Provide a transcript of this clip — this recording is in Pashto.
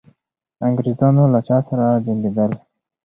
انګریزان له چا سره جنګېدل؟